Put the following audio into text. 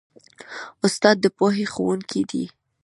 استاد د پوهې ښوونکی دی.